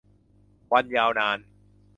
วันยาวนาน